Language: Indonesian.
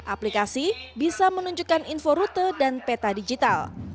aplikasi bisa menunjukkan info rute dan peta digital